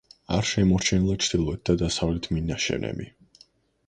არ შემორჩენილა ჩრდილოეთ და დასავლეთ მინაშენები.